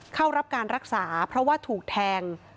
เข้ารับการรักษาเพราะว่าถูกแทง